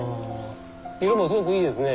色もすごくいいですね